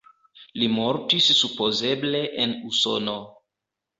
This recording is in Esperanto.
Li mortis supozeble en Usono.